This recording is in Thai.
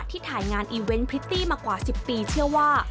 ที่ถ่ายงานอีเวนต์พริตตี้มากว่า๑๐ปีเชื่อว่า